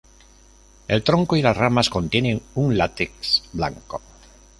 El tronco y las ramas contienen un látex blanco.